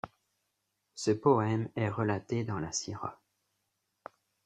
Ce poème est relaté dans la Sira.